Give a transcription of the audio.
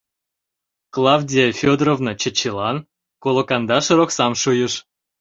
Клавдия Фёдоровна Чачилан колокандашыр оксам шуйыш: